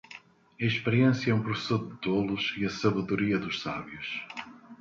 A experiência é um professor de tolos e a sabedoria dos sábios.